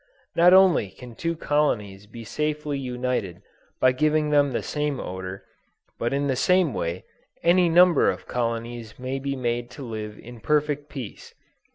Not only can two colonies be safely united by giving them the same odor, but in the same way any number of colonies may be made to live in perfect peace.